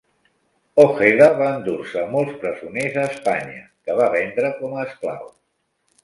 Ojeda va endur-se molts presoners a Espanya, que va vendre com a esclaus.